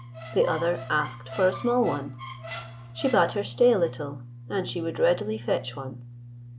The other asked for a small one. She bade her stay a little, and she would readily fetch one.